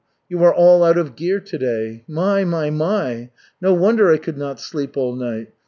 You are all out of gear today. My, my, my! No wonder I could not sleep all night.